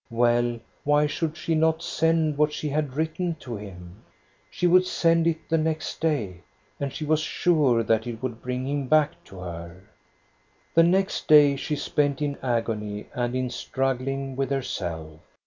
Well, why should she not send what she had written to him? She would send it the next day, and she was sure that it would bring him back to her. The next day she spent in agony and in struggling with herself.